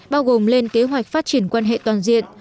bao gồm lên kế hoạch phát triển quan hệ toàn diện